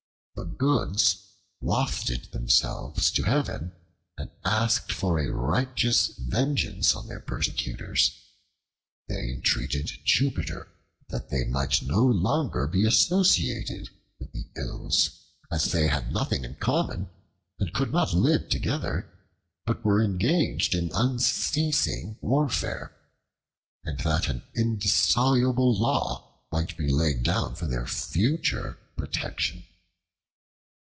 The Goods wafted themselves to heaven and asked for a righteous vengeance on their persecutors. They entreated Jupiter that they might no longer be associated with the Ills, as they had nothing in common and could not live together, but were engaged in unceasing warfare; and that an indissoluble law might be laid down for their future protection.